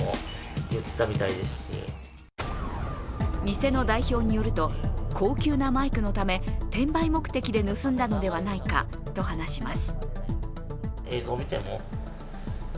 店の代表によると高級なマイクのため転売目的で盗んだのではないかと話します。